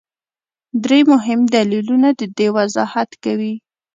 درې مهم دلیلونه د دې وضاحت کوي.